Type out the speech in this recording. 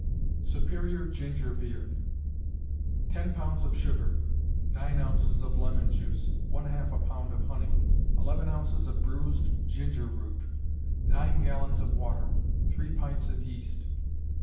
Superior Ginger Beer. Ten pounds of sugar; 9 ounces of lemon juice; ½ a pound of honey; 11 ounces of bruised ginger root; 9 gallons of water; 3 pints of yeast.